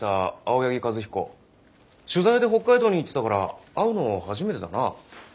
取材で北海道に行ってたから会うのは初めてだな。